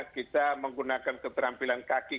kita menggunakan keberampilan kaki